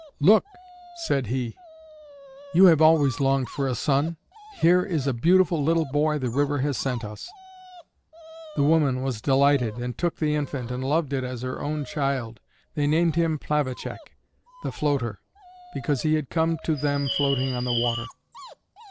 "Look," said he, "you have always longed for a son; here is a beautiful little boy the river has sent us." The woman was delighted, and took the infant and loved it as her own child. They named him Plavacek (the floater), because he had come to them floating on the water.